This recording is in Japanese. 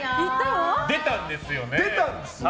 出たんですよね。